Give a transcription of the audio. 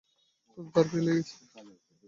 শুধু তার পায়ে লেগেছে!